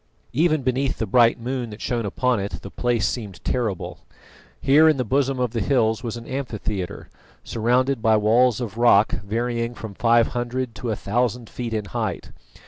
Even beneath the bright moon that shone upon it the place seemed terrible. Here in the bosom of the hills was an amphitheatre, surrounded by walls of rock varying from five hundred to a thousand feet in height.